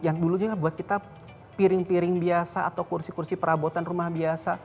yang dulu juga buat kita piring piring biasa atau kursi kursi perabotan rumah biasa